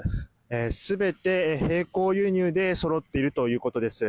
全て、並行輸入でそろっているということです。